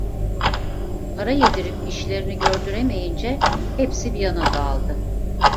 Para yedirip işlerini gördür emeyince hepsi bir yana dağıldı…